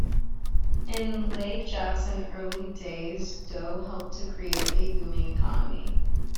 In Lake Jackson's early days, Dow helped to create a booming economy.